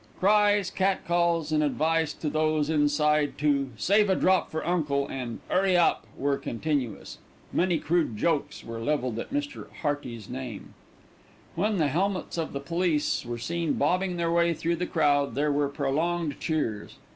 Cries, cat calls, and advice to those inside to "save a drop for uncle," and "'urry up," were continuous. Many crude jokes were levelled at Mr. Hearty's name. When the helmets of the police were seen bobbing their way through the crowd there were prolonged cheers.